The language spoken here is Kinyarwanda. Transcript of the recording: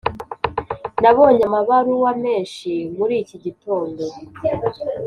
nabonye amabaruwa menshi muri iki gitondo.